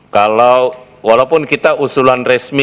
kalau walaupun kita usulan resmi